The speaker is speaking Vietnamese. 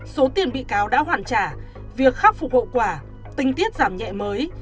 số tiền bị cáo đã hoàn trả việc khắc phục hậu quả tình tiết giảm nhẹ mới